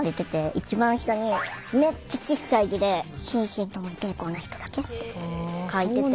一番下にめっちゃちっさい字で「心身ともに健康な人だけ」って書いてて。